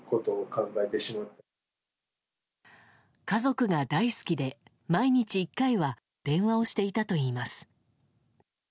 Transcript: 家族が大好きで毎日１回は電話をしていたといいます。